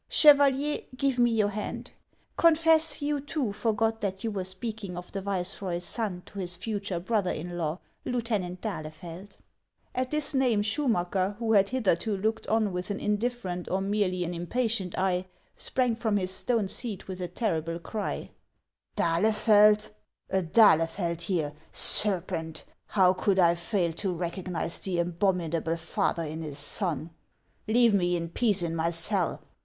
Chevalier, give me your hand. Confess, you too forgot that you were speak ing of the viceroy's son to his future brother in law, Lieu tenant d'Ahlefeld." At this name Schumacker, who had hitherto looked on with an indifferent or merely an impatient eye, sprang from his stone seat with a terrible cry :" D'Ahlefeld ! A D'Ahlefeld here ! Serpent ! How could I fail to recog nize the abominable father in his son ? Leave me in peace in my cell